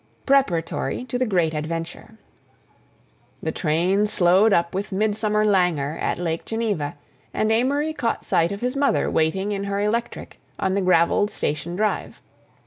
PREPARATORY TO THE GREAT ADVENTURE The train slowed up with midsummer languor at Lake Geneva, and Amory caught sight of his mother waiting in her electric on the gravelled station drive.